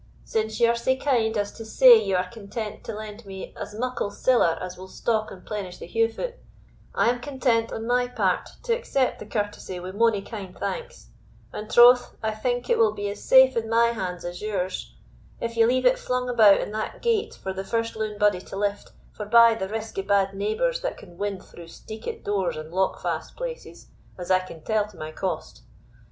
Since ye are sae kind as to say ye are content to lend me as muckle siller as will stock and plenish the Heugh foot, I am content, on my part, to accept the courtesy wi' mony kind thanks; and troth, I think it will be as safe in my hands as yours, if ye leave it flung about in that gate for the first loon body to lift, forbye the risk o' bad neighbours that can win through steekit doors and lockfast places, as I can tell to my cost.